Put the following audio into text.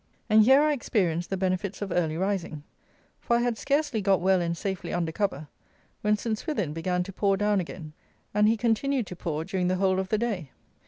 And here I experienced the benefits of early rising; for I had scarcely got well and safely under cover, when St. Swithin began to pour down again, and he continued to pour during the whole of the day.